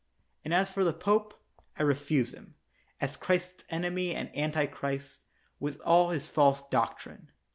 And as for the Pope, I refuse him, as Christ 's enemy and anti Christ, with all his false doctrine.